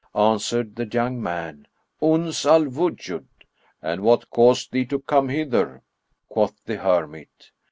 Answered the young man, "Uns al Wujud." "And what caused thee to come hither?" quoth the hermit.